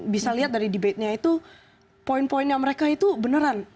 bisa lihat dari debatenya itu poin poinnya mereka itu beneran